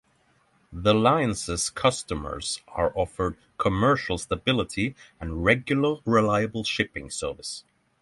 The Line's customers are offered commercial stability and regular reliable shipping service.